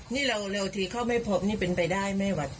นี่เร็วทีเข้าไม่พบนี่เป็นไปได้ไหมวะ